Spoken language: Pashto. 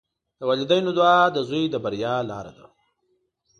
د والدینو دعا د زوی د بریا لاره ده.